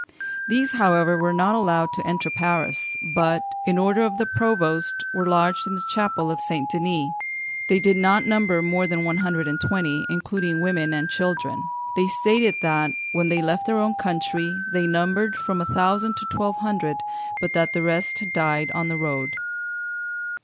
These, however, were not allowed to enter Paris, but, by order of the provost, were lodged in the Chapel of St. Denis. They did not number more than one hundred and twenty, including women and children. They stated that, when they left their own country, they numbered from a thousand to twelve hundred, but that the rest had died on the road.....